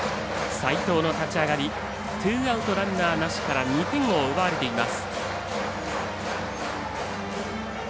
齋藤の立ち上がりツーアウト、ランナーなしから２点を奪われています。